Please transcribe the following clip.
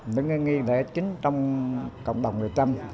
những nghiên nghiệp lễ chính trong cộng đồng người trăm